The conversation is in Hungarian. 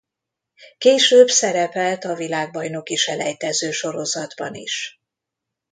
Később szerepelt a világbajnoki-selejtezősorozatban is.